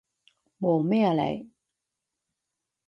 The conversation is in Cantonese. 望咩啊你？